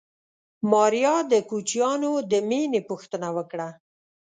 ماريا د کوچيانو د مېنې پوښتنه وکړه.